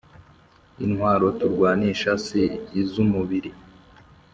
Kr intwaro turwanisha si iz umubiri